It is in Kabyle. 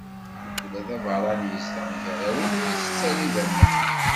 Ula d abeṛṛani izedɣen gar-awen ur itett ara idammen.